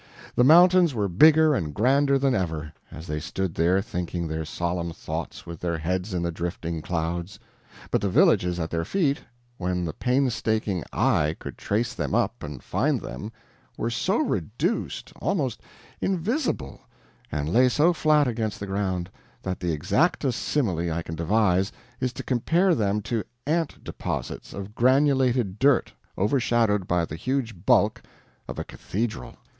The mountains were bigger and grander than ever, as they stood there thinking their solemn thoughts with their heads in the drifting clouds, but the villages at their feet when the painstaking eye could trace them up and find them were so reduced, almost invisible, and lay so flat against the ground, that the exactest simile I can devise is to compare them to ant deposits of granulated dirt overshadowed by the huge bulk of a cathedral.